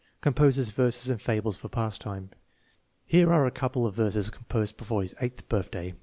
Composes verses and fables for pastime. Here are a couple of verses composed before his eighth birthday.